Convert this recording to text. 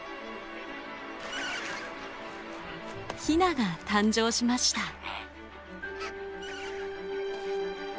ヒナが誕生しました。